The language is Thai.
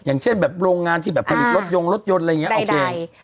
อย่างเช่นแบบโรงงานที่แบบผลิตรถยงรถยนต์อะไรอย่างนี้โอเค